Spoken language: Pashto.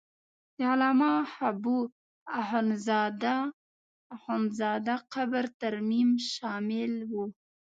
د علامه حبو اخند زاده قبر ترمیم شامل و.